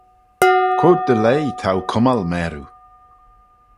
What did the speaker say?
Quoid dy leih t'ou cummal mâroo?